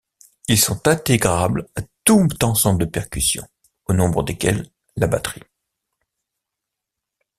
Ils sont intégrables à tout ensemble de percussions, au nombre desquels la batterie.